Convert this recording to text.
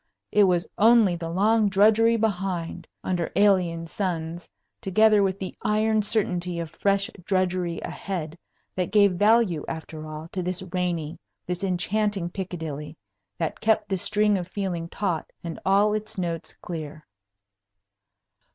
It was only the long drudgery behind, under alien suns, together with the iron certainty of fresh drudgery ahead, that gave value, after all, to this rainy, this enchanting Piccadilly that kept the string of feeling taut and all its notes clear.